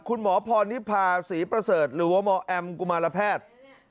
คุณหมอพรนิพาศรีประเสริฐหรือว่าหมอแอมกุมารแพทย์